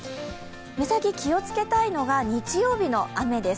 目先、気をつけたいのが日曜日の雨です。